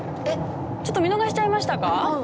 ちょっと見逃しちゃいましたか？